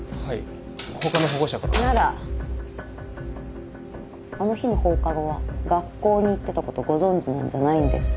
ならあの日の放課後は学校に行ってたことご存じなんじゃないんですか？